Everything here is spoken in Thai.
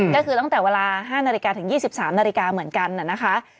ก็คือตั้งแต่เวลา๕นาฬิกาถึง๒๓นาฬิกาเหมือนกันนะคะ